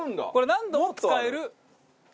何度も使える？